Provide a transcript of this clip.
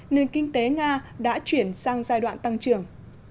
nền kinh tế nga đã chuyển sang giai đoạn tăng trưởng